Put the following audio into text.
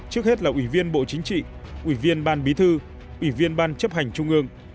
trước hết là ủy viên bộ chính trị ủy viên ban bí thư ủy viên ban chấp hành trung ương